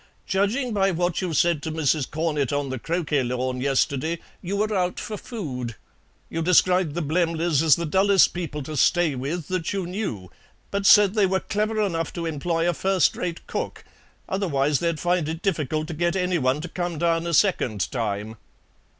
"Judging by what you said to Mrs. Cornett on the croquet lawn yesterday, you were out for food. You described the Blemleys as the dullest people to stay with that you knew, but said they were clever enough to employ a first rate cook; otherwise they'd find it difficult to get anyone to come down a second time."